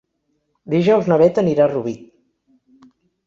Dijous na Beth anirà a Rubí.